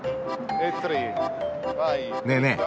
ねえねえ